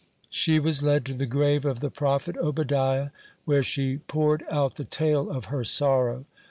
'" She was led to the grave of the prophet Obadiah, where she poured out the tale of her sorrow.